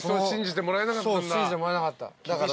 信じてもらえなかったんだ？